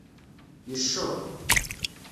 Yecceḍ.